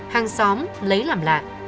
hàng xóm lấy làm lạ